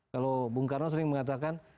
kalau bung karno sering mengatakan